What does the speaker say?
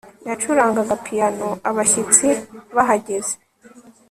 yacurangaga piyano abashyitsi bahageze